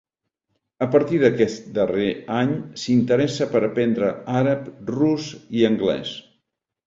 A partir d'aquest darrer any s'interessa per aprendre àrab, rus i anglès.